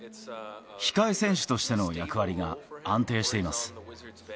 控え選手としての役割が安定しています。